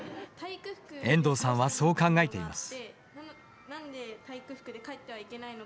遠藤さんは、そう考えています。